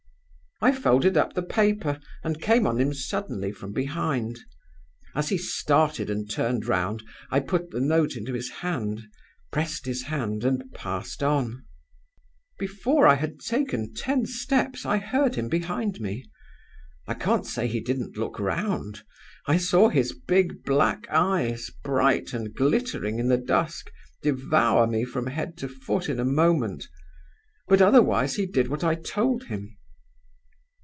"I folded up the paper, and came on him suddenly from behind. As he started and turned round, I put the note into his hand, pressed his hand, and passed on. Before I had taken ten steps I heard him behind me. I can't say he didn't look round I saw his big black eyes, bright and glittering in the dusk, devour me from head to foot in a moment; but otherwise he did what I told him.